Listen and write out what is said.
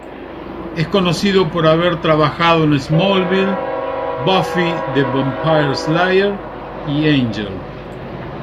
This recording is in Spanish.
Es conocido por haber trabajado en "Smallville", "Buffy the Vampire Slayer" y "Ángel".